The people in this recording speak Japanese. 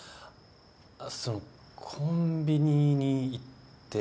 そのコンビニに行って。